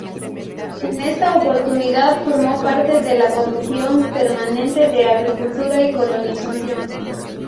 En esta oportunidad formó parte de la comisión permanente de Agricultura y Colonización.